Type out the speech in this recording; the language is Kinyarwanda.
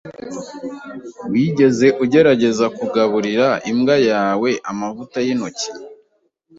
Wigeze ugerageza kugaburira imbwa yawe amavuta yintoki?